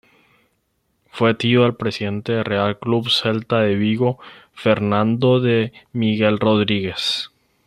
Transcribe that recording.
Fue tío del presidente del Real Club Celta de Vigo, Fernando de Miguel Rodríguez.